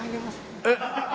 えっ。